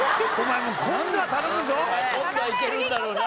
今度はいけるんだろうな？